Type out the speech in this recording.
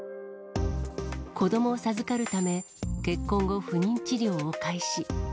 子どもを授かるため、結婚後、不妊治療を開始。